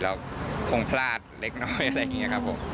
แล้วคงพลาดเล็กน้อยครับผม